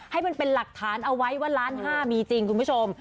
ให้มันเป็นหลักฐานเอาไว้ว่าล้านห้ามีจริงคุณผู้ชม